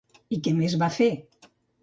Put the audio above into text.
I què més va fer?